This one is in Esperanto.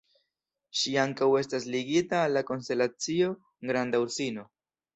Ŝi ankaŭ estas ligita al la konstelacio Granda Ursino.